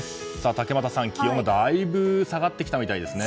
竹俣さん、気温がだいぶ下がってきたみたいですね。